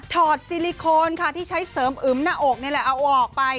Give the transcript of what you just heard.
ซิลิโคนค่ะที่ใช้เสริมอึมหน้าอกนี่แหละเอาออกไป